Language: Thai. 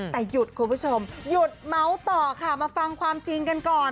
แต่หยุดคุณผู้ชมหยุดเมาส์ต่อค่ะมาฟังความจริงกันก่อน